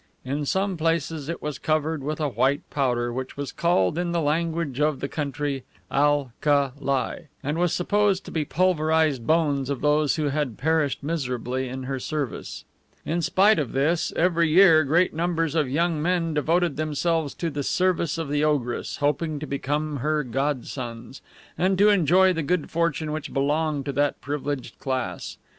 In some places it was covered with a white powder, which was called in the language of the country AL KA LI, and was supposed to be the pulverized bones of those who had perished miserably in her service. In spite of this, every year, great numbers of young men devoted themselves to the service of the ogress, hoping to become her godsons, and to enjoy the good fortune which belonged to that privileged class.